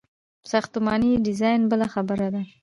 ساختماني ډیزاین بله برخه ده.